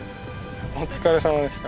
お疲れさまでした。